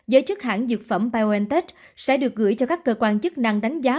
giới chức hãng dược phẩm biontech sẽ được gửi cho các cơ quan chức năng đánh giá